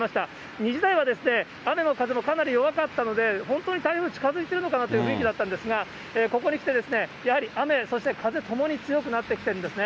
２時台は雨も風もかなり弱かったので、本当に台風近づいているのかなという雰囲気だったんですが、ここにきて、やはり雨、そして風ともに強くなってきていますね。